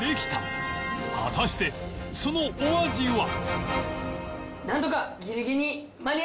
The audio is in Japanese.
果たしてそのお味は？